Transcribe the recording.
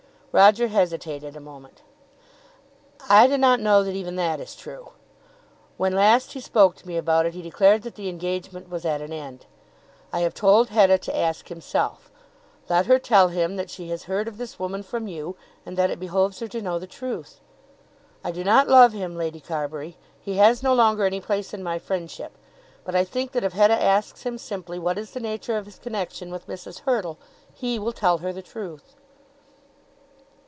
Roger hesitated a moment. "I do not know that even that is true. When last he spoke to me about it he declared that the engagement was at an end. I have told Hetta to ask himself. Let her tell him that she has heard of this woman from you, and that it behoves her to know the truth. I do not love him, Lady Carbury. He has no longer any place in my friendship. But I think that if Hetta asks him simply what is the nature of his connexion with Mrs. Hurtle, he will tell her the truth."